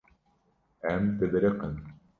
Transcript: Em dibiriqin.